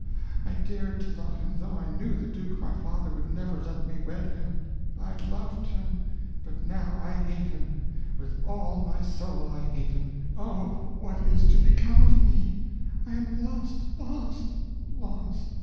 I dared to love him though I knew the duke, my father, would never let me wed him. I loved him but now I hate him! With all my soul I hate him! Oh, what is to become of me! I am lost, lost, lost!